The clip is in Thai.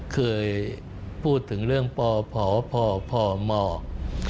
เคยพูดถึงเรื่องพอพอพอพอมอก